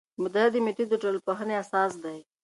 د مطالعې میتود د ټولنپوهنې اساس دی.